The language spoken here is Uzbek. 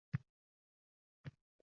Oradan ko‘p yillar o‘tgan bo‘lsa-da